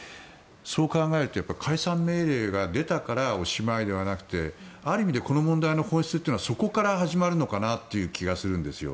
そう考えると、やはり解散命令が出たからおしまいではなくてある意味でこの問題の本質はそこから始まるのかなという気がするんですよ。